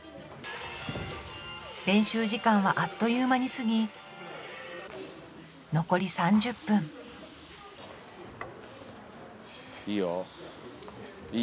練習時間はあっという間に過ぎ残り３０分いいよいい。